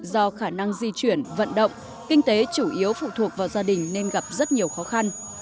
do khả năng di chuyển vận động kinh tế chủ yếu phụ thuộc vào gia đình nên gặp rất nhiều khó khăn